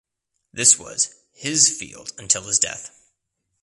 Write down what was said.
This was "his" field until his death.